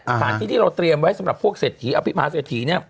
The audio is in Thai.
สถานที่ที่เราเตรียมไว้สำหรับพวกเศรษฐีอภิมหาเศรษฐีเนี่ย